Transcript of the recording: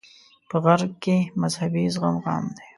په غرب کې مذهبي زغم عام دی.